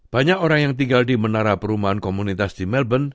banyak orang yang tinggal di menara perumahan komunitas di melbourne